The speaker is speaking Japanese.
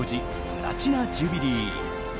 プラチナ・ジュビリー。